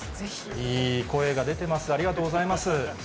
いい声が出てます、ありがとうございます。